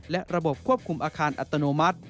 และระบบควบคุมอาคารอัตโนมัติ